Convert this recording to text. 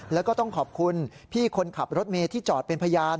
แล้วก็ต้องขอบคุณพี่คนขับรถเมย์ที่จอดเป็นพยาน